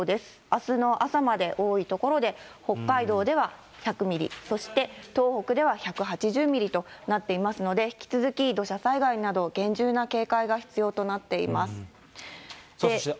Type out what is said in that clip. あすの朝まで、多い所で、北海道では１００ミリ、そして東北では１８０ミリとなっていますので、ひきつづき土砂災害など、厳重な警戒が必要となっています。